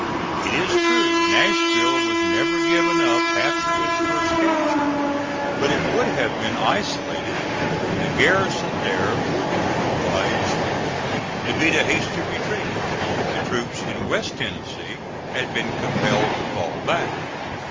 It is true Nashville was never given up after its first capture, but it would have been isolated and the garrison there would have been obliged to beat a hasty retreat if the troops in West Tennessee had been compelled to fall back.